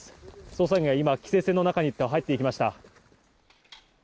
捜査員が今、規制線の中に入っていきました。